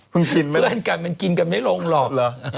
เพื่อนกันมันกินกันไม่ลงหรอก